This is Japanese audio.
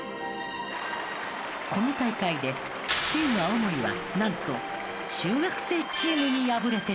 この大会でチーム青森はなんと中学生チームに敗れてしまいます。